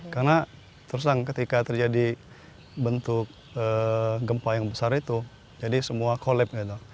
karena terus lang ketika terjadi bentuk gempa yang besar itu jadi semua kolab gitu